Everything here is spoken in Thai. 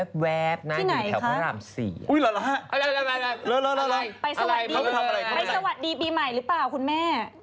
ไปสวัสดีปีใหม่หรือเปล่าคุณแม่